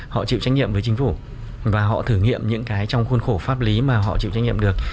họ chịu trách nhiệm với chính phủ và họ thử nghiệm những cái trong khuôn khổ pháp lý mà họ chịu trách nhiệm được